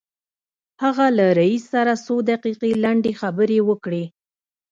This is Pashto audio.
هغه له رئيس سره څو دقيقې لنډې خبرې وکړې.